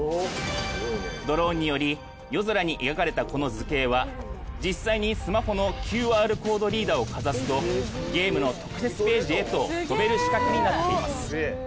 ドローンにより夜空に描かれたこの図形は実際にスマホのＱＲコードリーダーをかざすとゲームの特設ページへと飛べる仕掛けになっています。